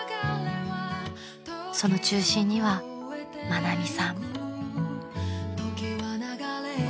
［その中心には愛美さん］